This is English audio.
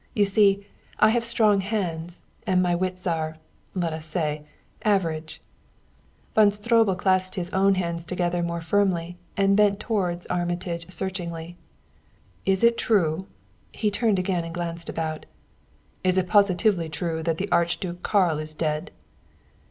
You see, I have strong hands and my wits are let us say average!" Von Stroebel clasped his own hands together more firmly and bent toward Armitage searchingly. "Is it true" he turned again and glanced about "is it positively true that the Archduke Karl is dead?"